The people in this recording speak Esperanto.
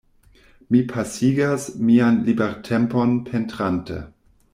Mi pasigas mian libertempon pentrante.